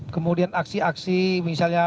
kemudian aksi aksi misalnya